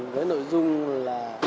với nội dung là